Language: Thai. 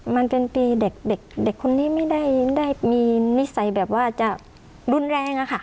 มันเป็นปีเด็กคนนี้ไม่ได้มีนิสัยแบบว่าจะรุนแรงอะค่ะ